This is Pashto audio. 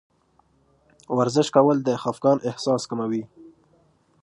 ورزش کول د خفګان احساس کموي.